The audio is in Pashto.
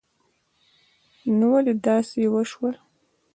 نو ولی داسی وشول